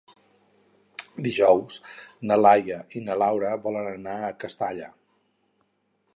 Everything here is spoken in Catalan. Dijous na Laia i na Laura volen anar a Castalla.